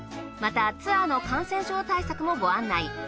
またツアーの感染症対策もご案内。